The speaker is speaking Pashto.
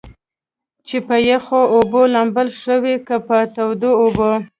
چې پۀ يخو اوبو لامبل ښۀ وي کۀ پۀ تودو اوبو ؟